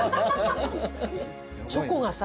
チョコがさ